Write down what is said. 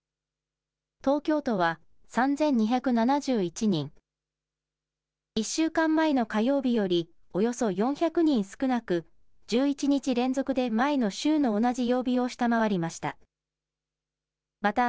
東京都は３２７１人、１週間前の火曜日よりおよそ４００人少なく、１１日連続で前の週の同じ曜日を下回りました。